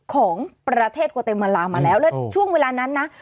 ของประเทศโกเตมาลามาแล้วแล้วช่วงเวลานั้นนะ